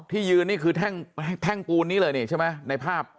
ที่ยืนนี่คือแท่งปูนนี้เลยนี่ใช่ไหมในภาพ